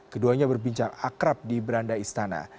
keduanya berbincang akrab di beranda istana